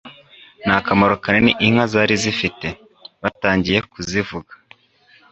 n'akamaro kanini inka zari zifite, batangiye kuzivuga